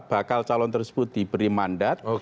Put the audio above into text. bakal calon tersebut diberi mandat